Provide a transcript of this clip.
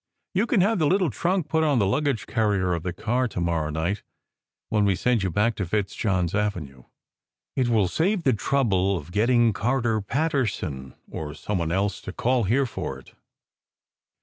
You can have the little trunk put on the luggage carrier of the car to morrow night when we send you back to Fitzjohn s Avenue. It will save the trouble of getting Carter Paterson or some one else to call here for it.